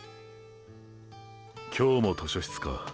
今日も図書室か。